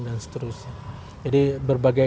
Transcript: dan seterusnya jadi berbagai